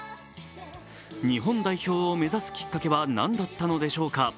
日本代表を目指すきっかけは、何だったのでしょうか。